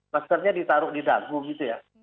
maskernya ditaruh di dagu gitu ya